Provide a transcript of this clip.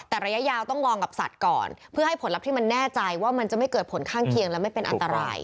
แต่ระยะยาวต้องลองกับสัตว์ก่อนเพื่อให้ผลลัพธ์ที่มันแน่ใจว่ามันจะไม่เกิดผลข้างเคียงและไม่เป็นอันตราย